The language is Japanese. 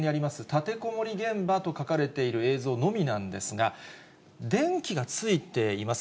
立てこもり現場と書かれている映像のみなんですが、電気がついています。